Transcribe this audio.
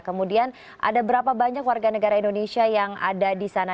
kemudian ada berapa banyak warga negara indonesia yang ada di sana